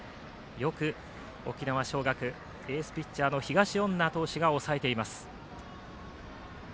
よく沖縄尚学、エースピッチャー東恩納投手が抑えています。